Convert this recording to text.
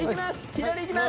左いきます。